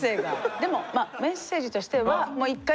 でもまあメッセージとしては一回